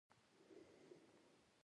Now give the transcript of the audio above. کتاب د پاڼو پلنوالی يې زيات و.